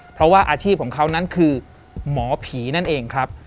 เพราะว่าอาชีพของเขานั้นคือหมอผีนั่นเองครับ